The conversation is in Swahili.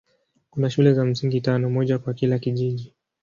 Kuna shule za msingi tano, moja kwa kila kijiji.